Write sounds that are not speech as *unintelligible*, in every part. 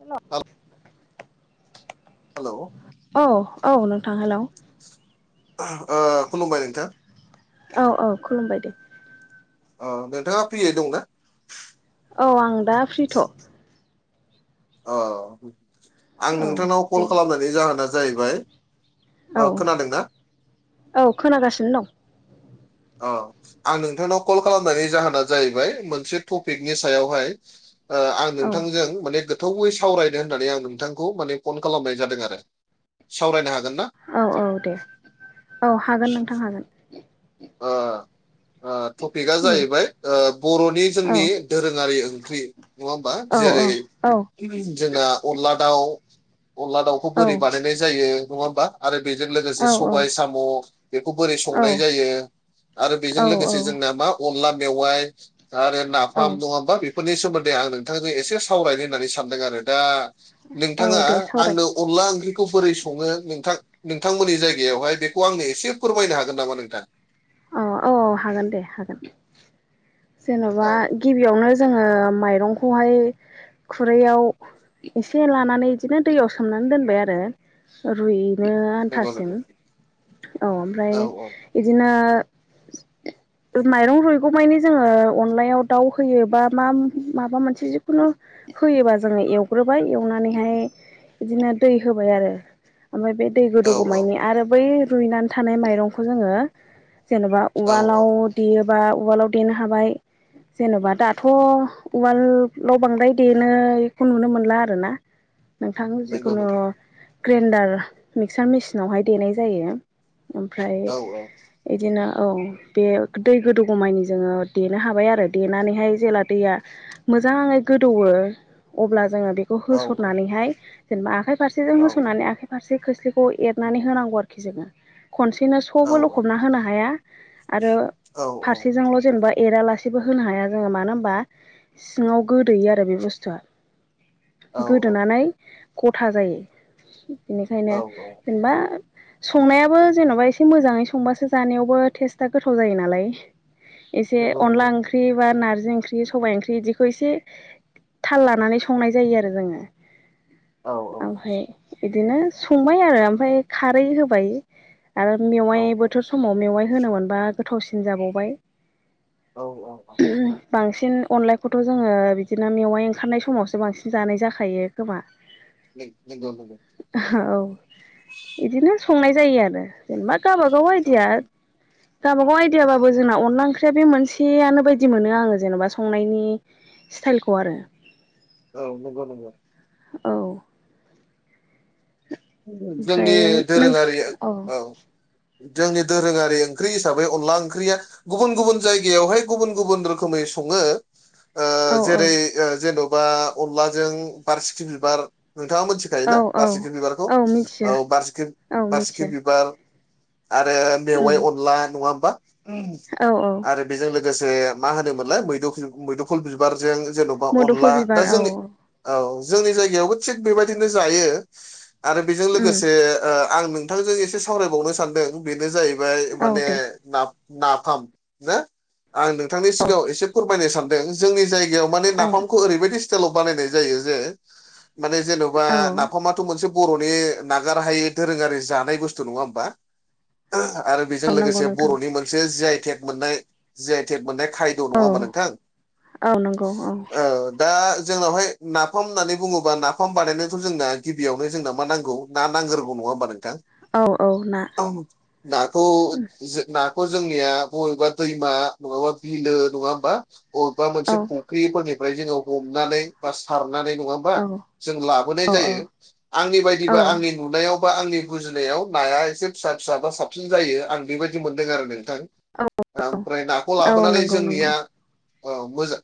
हेल'। *unintelligible* Hello. औ औ नोंथां हेलौ ओ खुलुमबाय नोंथां औ औ खुलुमबाय दे अ नोंथाङा फ्रियै दंना औ आं दा फ्रिथ' अ आं औ नोंथांनाव दे कल खालामनायनि जाहोना जाहैबाय ओ औ खोनादोंना औ खोनागासिनो दं औ आं नोंथांनाव कल खालामनायनि जाहोना जाहैबाय मोनसे टपिकनि सायावहाय ओ आं औ नोंथांजों माने गोथौवै सावरायनो होननानै आं नोंथांखौ माने फन खालामनाय जादों आरो सावरायनो हागोन ना औ औ दे औ हागोन नोंथां हागोन ओ ओ टपिकआ उम जाहैबाय ओ बर'नि औ जोंनि दोरोङारि ओंख्रि नङा होमबा औ औ जेरै औ जोंना अनला दाउ अनला दाउखौ औ बोरै बानायनाय जायो नङा होमबा आरो बेजों लोगोसे औ सबाय साम' बेखौ बोरै औ संनाय जायो आरो बेजों लोगोसे जोंना औ मा अनला मेवाइ आरो औ नाफाम नङा होमबा बे फोरनि सोमोन्दै आं नोंथांजों एसे सावरायनो होननानै सानदों आरो दा औ नोंथाङा दे सावराय आंनो अनला ओंख्रिखौ बोरै सङो नोंथां नोंथांमोननि जायगायावहाय बे खौ आङो एसे फोरमायनो हागोन नामा नोंथां औ औ औ हागोन दे हागोन औ जेन'बा औ गिबियावनो जोङो माइरंखौहाय खुरैयाव एसे लानानै बिदिनो दैयाव सोमनानै दोनबाय आरो रुइ यनो नंगौ आन्थासिम नंगौ औ ओमफ्राय औ इदिनो *inaudible* माइरं रुइगौ मानि जोङो अनलायाव दाउ होयो बा मा माबा मोनसे जिखुनु होयोबा जोङो एवग्रोबाय एवनानैहाय बिदिनो दै होबाय आरो ओमफ्राय बे दै औ गोदौगौमायनि आरो बै रुइनानै थानाय माइरंखौ जोङो जेनेबा औ औ उवालाव देयोबा उवालाव देनो हाबाय जेन'बा दाथ' उवालाव बांद्राय देनायखौ नुनो मोनला आरो ना नोंथां नंगौ जिखुनु नंगौ ग्रेन्डार मिक्सार मेसिनावहाय देनाय जायो ओमफ्राय औ बिदिनो औ बे दै गोदौगमायनि जोङो देनो हाबाय आरो देनानैहाय जेला दैया मोजाङै गोदौवो अब्ला जोङो बेखौ बेखौ औ होसननानैहाय जेनेबा आखाइ फारसेजों औ होसननानै आखाइ फारसे खोसलिखौ एरनानै होनांगौ आरोखि जोङो खनसेनो औ सबो लख बना होनो हाया आरो औ फारसेजोंल' जेनेबा एरालासेबो होनो हाया जोङो मानो होनबा सिङाव गोदोयो आरो बे बुस्थुआ औ औ औ गोदोनानै गथा जायो औ बेनिखायनो औ जेनेबा संनायाबो जेन'बा एसे मोजाङै स संबासो जानायावबो टेस्टआ गोथाव जायो नालाय एसे नंगौ नंगौ अनला ओंख्रि ओंख्रि बा नारजि ओंख्रि सबाय ओंख्रि इदिखौ इसे थाल लानानै संनाय जायो आरो जोङो। औ औ ओमफाय बिदिनो संबाय आरो ओमफ्राय खारै होबाय। आरो औ मेवाइ बोथोर समाव मेवाइ होनोम मोनबा गोथावसिन जाबावबाय औ औ औ बांसिन अनलाायखौथ' जोङो बिदिनो मेवाइ ओंखारनाय समावसो बांसिन जानाय जाखायो खोमा नंगौ नंगौ। औ बिदिनो संनाय जायो आरो जेनेबा गावबागाव औ आइदिया *inaudible* गावबाागाव आइडियाबाबो जोंना अनला ओंख्रिया बे मोनसेयानो बायदि मोनो आङो जेनेबा संनायनि स्टाइलखौ आरो। औ नंगौ नंगौ। औ। ओमफ्राय जोंनि नों दोरोङारिया औ। जोंनि दोरोङारि ओंख्रि हिसाबै अनला ओंख्रिया गुबुन गुबुन जायगायावहाय गुबुन गुबुन रोखोमै सङो। औ जेरै औ जेन'बा अनलाजों बारसिखि बिबार नोंथाङा औ मोनथिखायोना औ बारसिखि बिबारखौ? औ बारसिखि औ बारसिखि मिथियो बिबार आरो उम मेवाइ अनला नङा होमबा उम औ औ आरो बेजों लोगोसे मा होनोमोनलाय मैद मैदुखुल बिबारजों जेन'बा बा मुदुफुल अनला बिबार दा औ जोंनि औ जोंनि जायगायावबो थिग बेबायदिनो जायो आरो बेजों उम लोगोसे आं नोंथांजों एसे सावरायबावनो सानदों बेनो जाहैबाय औ माने दे न नाफाम ना आं नोंथांनि औ सिगाङाव एसे फोरमायनो सानदों जोंनि जायगायाव जायगायाव माने ओ नाफामखौ ओरैबायदि सिटाइल आव बनाय जायो जे माने जेन'बा औ नाफ मोनसे बर'नि नागार हायै दोरोङारि जानाय बुस्थु नङा होमबा? आरो बेजों औ नंगौ लोगोसे नोंथां बर'नि मोनसे जि आइ थेक मोननाय जि आइ थेक मोननाय खाय औ नङा होमबा नोंथां? औ नंगौ औ ओ दा जोंनावहाय नाफाम होननानै बुङोबा नाफाम बानायनायथ' जोंना गिबियाव जोंना मा नांगौ नांग्रौ नङा होनबा नोंथां? औ औ ना। नाखौ नाखौ जोंनिया बबेबा दैमा नङाबा बिलो नङा होमबा बबेबा औ मोनसे फुख्रिफोरनिफ्राय जोङो हमनानै बा सारनानै नङा बा औ जों लाबोनाय औ जायो‌। आंनि औ बादिबा आंनि नुनायाव बा आंनि बुजिनायाव नाया एसे फिसा फिसा बा साबसिन जायो आं बेबायदि मोनदों आरो नोंथां। ओमफ्राय नाखौ औ लाबोनानै नंगौ नंगौ जोंनिया मोजां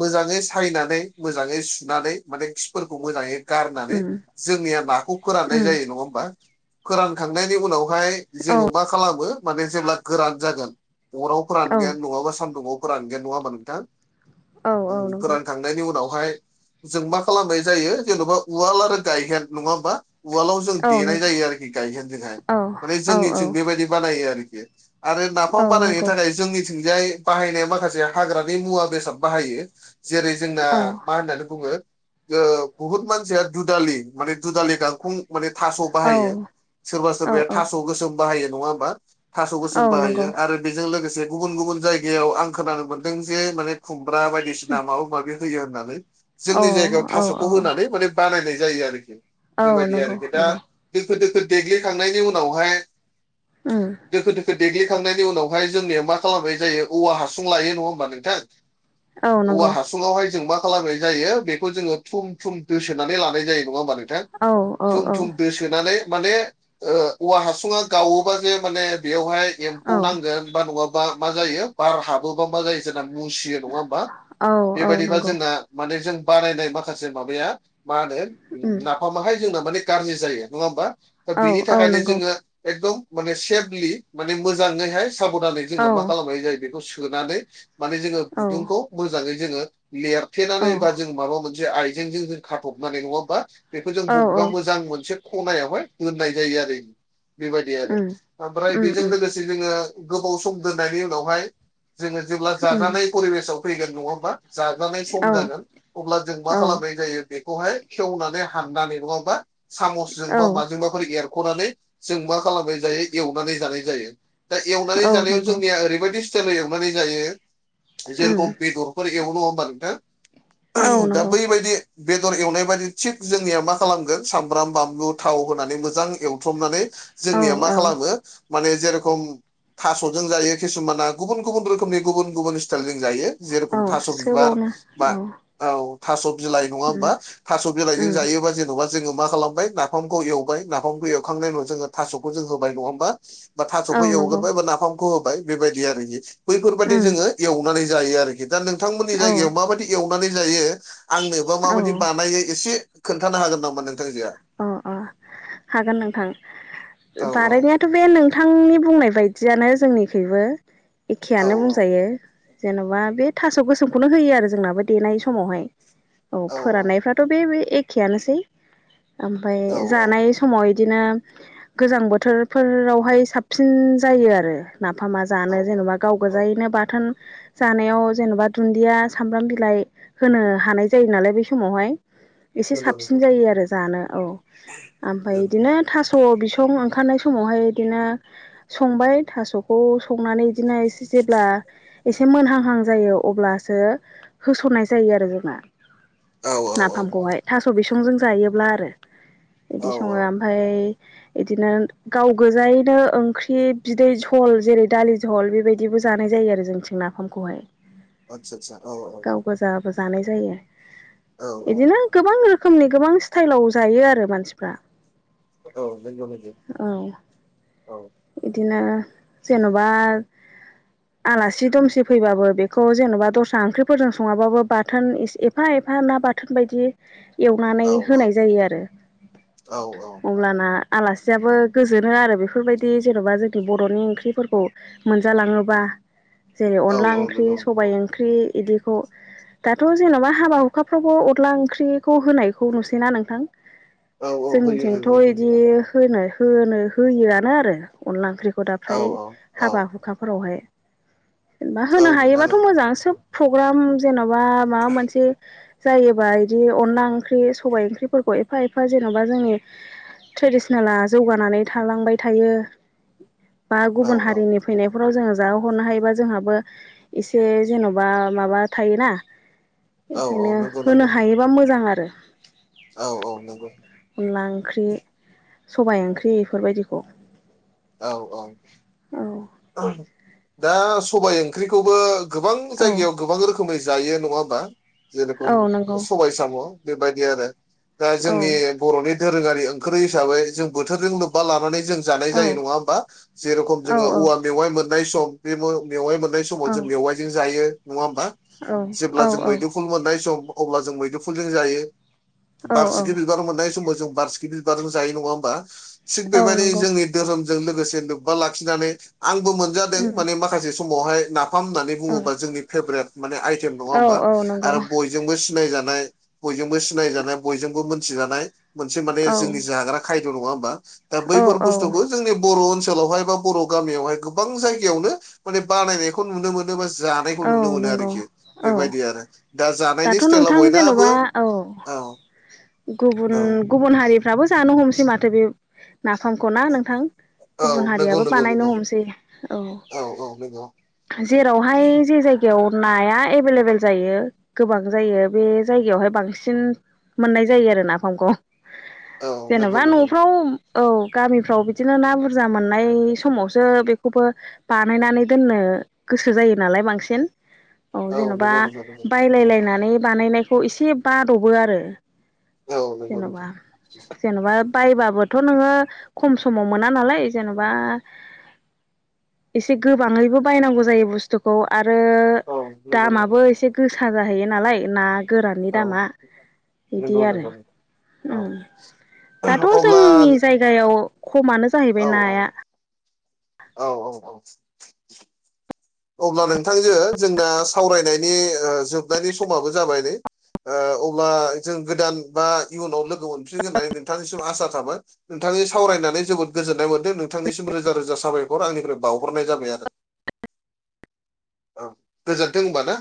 मोजाङै सायनानै मोजाङै सुनानै माने खिफोरखौ मोजाङै गारनानै उम जोंनिया नाखौ फोराननाय उम जायो नङा होमबा। फोरानखांनायनि उनाव माय औ जोङो मा खालामो माने जेब्ला गोरान जागोन, अराव फोरान औ गैन नङाबा सान्दुङाव फोरानगोन नङा होमबा नोंथां? औ औ नंगौ फोरानखां नायनि उनावहाय जों मा खालामनाय जायो जेन'बा उवाल आरो गायहेन नङा होमबा उवालाव जों औ देनाय नंगौ जायो आरोखि गायहेनजोंहाय। औ माने औ औ जोंनिथिं बेबायदि बानायो आरोखि। आरो औ नाफाम बानायनो नंगौ थाखाय जोंनि थिंजाय बाहायनाय माखासे हाग्रानि मुवा बेसाद बाहायो। जेरै जोंना औ मा होननानै बुङोओ बुहुत मानसिया दुदालि माने दुदालि गांखं माने थास' औ बाहायो सोरबा औ सोरबाया थास' गोसोम बाहायो नङा होमबा थास' औ गोसोम नंगौ बाहायो आरो बेजों लोगोसे गुबुन गुबुन जायगायाव आं खोनानो मोनदों जे माने खुमब्रा बायदिसिना ना माबा माबि होयो होननानै औ जोंनि जायगायाव औ थास'खौ औ होनानै माने बानायनाय जायो आरोखि औ बेबायदि नंगौ आरोखि दा नंगौ दोखो दोखो देग्लिखांनायनि उनावहाय ओम दोखो दोखो देग्लिखांनायनि उनावहाय जोंनिया मा खालामनाय जायो औवा हासुं लायो नङा होमबा नोंथां औ औवा नंगौ हासुङावहाय जों मा खालामनाय जायो बेखौ जोङो थुम थुम दोसोनानै लानाय जायो। नङा होमबा नोंथां? औ औ थुम थुम दोसो सोनानै माने ओ औवा हासुङा गावोबा जे माने बेयावहाय एमफौ औ नांगोन बा नङाबा मा जायो बार हाबो नङाबा जायो जोंना मुसियो नङा होमबा? औ औ बेबायदिबा नंगौ जोंना माने जों बानायनाय माखासे माबाया मा होनो उम ना माहाय जोंना माने गाज्रि जायो नङा होमबा दा औ बेनि औ थाखायनो नंगौ जोङो एकदम माने सेफलि माने मोजाङैहाय साबधानै जोंना औ मा खालामनाय जायो बेखौ सोनानै माने जोङो औ गुदुंखौ मोजाङै जोङो औ लेरथेनानै बा जों माबा मोनसे जे आइजेंजों जों खाथ'बनानै नङा होमबा बेखौ जों औ बबेबा मोजां मोनसे खनायावहाय दोननाय जायो आरो बेबायदि आरो उम ओमफ्राय उम बेजों उम लोगोसे से जोङो गोबाव सम दोननायनि उनावहाय जोङो जेब्ला उम जाजानाय परिबेसाव फैगोन नङा होमबा जाजानाय सम औ जागोन अब्ला जों मा औ खालामनाय जायो बेखौहाय खेवनानै हाननानै नङा होमबा औ सामसजोंबा माजोंबा फोर एरख'नानै जों मा खालामनाय जायो एवनानै जानाय जायो दा एवनानै औ जानायाव नंगौ जोंनिया ओरैबायदि स्टाइलाव एवनानै जायो उम जेरेखम बेदर फोर एवो नङा होमबा नोंथा औ दा नंगौ बैबायदि बेदर एवनाय बायदि थिग जोंनिया मा खालामगोन सामब्राम बानलु थाव होनानै मोजां एवथ्रमनानै औ जोंनिया मा औ खालामो माने जेरखम थास'जों जायो किसुमाना गुबुन गुबुन रोखोमनि गुबुन गुबुन स्टाइलजों जायो जेरेखम औ थास' बिबार सोबावनो बा औ औ थास' बिलाइ नङा उम होमबा थास' बिलाइजों उम जायो जेनेबा जोङो मा खालामबाय नाफामखौ एवबाय नाफामखौ एवखांनायनि उनाव जोङो थास'खौ जों होबाय नङा होमबा बा औ थास'खौ नंगौ एवगोरबाय बा नाफामखौ होबाय बेबायदि आरोखि बैफोरबायदि उम जोङो एवनानै जायो आरोखि दा नोंथांमोननि औ जायगायाव माबायदि एवनानै जायो आंनो बा औ माबायदि बानायै एसे खोन्थानो हागोन नामा नोंथांजोआ अ अ हागोन नोंथां औ औ बानायनाया थ' बे नोंथांनि बुंनाय बायदियानो जोंनिख्रुइबो औ एखेयानो बुंजायो जेन'बा बे थास' गोसोमखौनो होयो आरो जोंनाबो देनाय समावहाय औ फोराननायफ्रा थ' बे बे एखेआनोसै ओमफ्राय औ जानाय समाव बिदिनो गोजां बोथोरफोरावहाय साबसिन जायो आरो नाफामा औ जानो जेन'बा गाव औ गोजायैनो बाथोन जानायाव जेन'बा दुन्दिया सामब्राम बिलाइ होनो हानाय जायो नालाय बै समावहाय एसे नंगौ साबसिन नंगौ जायो आरो जानो औ आमफ्राय नंगौ बिदिनो थास' बिसं ओंखारनाय समावहाय बिदिनो संबाय थास'खौ संनानै बिदिनो एसे जेब्ला एसे मोनहांहां जायो अब्लासो होस'ननाय जायो आरो जोङो औ औ नाफामखौहाय थास' बिसंजों जायोब्ला आरो बिदि औ सङो औ आमफ्राय बिदिनो गाव गोजायैनो ओंख्रि बिदै जल जेरै दालि जल बेबायदिबो जानाय जायो आरो जोंनिथिं नाफामखौहाय आतसा आतसा औ औ जाबो जानाय जायो औ बिदिनो गोबां रोखोमनि गोबां स्टाइलाव जायो आरो मानसिफ्रा औ नोंगौ दे औ इदिनो जेन'बा *inaudible* आलासि दुमसि फैबाबो बेखौ जेन'बा दस्रा ओंख्रिफोरजों सङाबाबो बाथोन एस एफा-एफा ना बा थोन बायदि एवनानै औ होनाय जायो आरो औ अब्लाना आलासियाबो गोजोनो आरो बेफोरबायदि जेन'बा जोंनि बर'नि ओंख्रिफोरखौ मोनजालाङोबा जेरै औ अनला औ ओंख्रि नंगौ सबाय ओंख्रि बिदिखौ दाथ' जेन'बा हाबा हुखाफ्रावबो अनला ओंख्रिखौ होनायखौ नुसैना नोंथां औ होयो होयो जोंनिथिंथ' नंगौ बिदि नोंथां होनो होनो होयोआानो आरो अनला ओंख्रिखौ दा औ फ्राय औ औ हाबा हुखाफोरावहाय जेनेबा औ होनो नोंथां औ हायोबाथ' मोजां सोब प्रग्राम जेन'बा माबा मोनसे जायोबा इदि अनला ओंख्रि सबाय ओंख्रिफोरखौ एफा-एफा जेन'बा जोंनि थ्रेडिसनेला जौगानानै थालांबाय थायो बा औ गुबुन औ हारिनि फैनायफोराव जोङो जाहोहरनो हायोबा जोंहाबो एसे जेन'बा माबा थायोना औ औ एखायनो नंगौ नंगौ होनो हायोबा मोजां आरो औ औ नंगौ अनला ओंख्रि सबाइ ओंख्रि इफोरबायदिखौ औ औ औ दा सबाय ओंख्रिखौबो गोबां औ जायगायाव गोबां रोखोमै जायो नङा होमबा औ जेरखम नंगौ सबाय साम' बेबायदि आरो दा औ जोंनि बर'नि धोरोङारि ओंख्रि हिसाबै जों बोथोरजों लोब्बा लानानै जों जान औ जायो नङा होमबा जेरखम औ जोङो औवा मेवाइ मोननाय सम बे मो‌ मेवाइ मोननाय समाव औ जों मेवाइ जों जायो नङा होमबा औ जेब्ला जों औ मैदुफुल मोननाय सम अब्ला जों मैदुफुलजों जायो औ औ बारसिखि बि बार मोननाय समाव जों बारसिखि बिबारजों जायो नङा होमबा थिक औ बेबायदि नंगौ जोंनि धोरोमजों लोगोसे लोब्बा लाखिनानै आंबो मोनजादों उम माने माखासे समावहाय नाफाम होननानै औ बुङोबा जोंनि फेबरेत माने आयथेम नङा औ होमबा औ नंगौ आरो बय जोंबो सिनाय जानाय बयजोंबो सिनाय जानाय बयजोंबो मोनथि जानाय मोनसे माने औ जोंनि जाग्रा खायद' नङा होमबा दा औ बैफोर औ बुस जोंनि बर' ओनसोलावहाय बा बर' गामियावहाय गोबां जायगायावनो माने बानायनायखौ नुनो मो नोबा जानायखौ औ नुनो मोनो नंगौ आरोखि औ बेबायदि आरो दा जानायनि दाथ' स्टाइला नोंथां बयनाबो जेन'बा औ गुबुन औ गुबुन हारिफ्राबो जानो हमसै माथो बे नाफामखौ ना नोंथां औ गुबुन नंगौ हारियाबो नंगौ नंगौ बानायनो हमसै औ औ औ नोंगौ जेराव *unintelligible* जे जायगायाव नाया एभेलेबेल जायो गोबां जायो बे जायगायावहाय बांसिन मोननाय जायो आरो नाफामखौ औ नंगौ जेनेबा नंगौ न'फ्राव औ गामिफ्राव बिदिनो ना बुरजा मोननाय समावसो बेखौबो बानायनानै दोननो गोसो जायो नालाय बांसिन औ जेन'बा नंगौ नंगौ नंगौ बायलाय औ लायनानै बानायनाय खौ एसे बाद'बो आरो औ नंगौ जेन'बा नंगौ जेन'बा बायबाबोथ' नोङो खम समाव मोना नालाय जेन'बा एसे गोबाङैबो बायनांगौ जायो बुस्थुखौ आरो औ नंगौ नंगौ दामाबो एसे गोसा जाहैयो नालाय ना गोराननि औ दामा बिदि नंगौ आरो नंगौ औ उम दाथ' अब्ला जोंनि जायगायाव खमानो औ जाहैबाय औ नाया औ औ औ अब्ला नोंथांजो जोंना सावरायनायनि जोबनायनि समाबो जाबाय नै अब्ला जों गोदान बा इयुनाव लोगो मोनफिनगोन होननानै नोंथांनिसिम आसा थाबाय नोंथांनि सावरायनानै जोबोद गोजोन्नाय मोन नोंथांनिसिम रोजा रोजा साबायखर आंनिफ्राय बावहरनाय जाबाय आरो औ गोजोन्थों हब ना